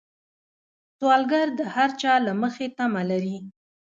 سوالګر د هر چا له مخې تمه لري